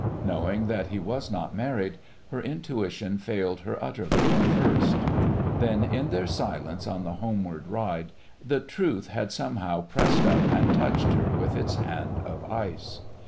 Knowing that he was not married, her intuition failed her utterly at first. Then, in their silence on the homeward ride, the truth had somehow pressed up and touched her with its hand of ice.